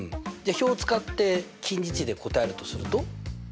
表を使って近似値で答えるとすると？